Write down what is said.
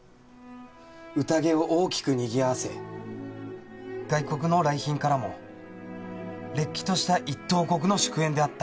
「うたげを大きくにぎわせ」「外国の来賓からもれっきとした一等国の祝宴であった」